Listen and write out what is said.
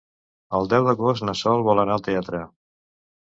El deu d'agost na Sol vol anar al teatre.